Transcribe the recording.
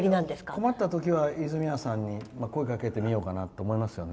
困ったときは泉谷さんに声かけてみようかなって思いますね。